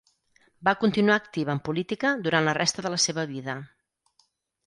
Va continuar activa en política durant la resta de la seva vida.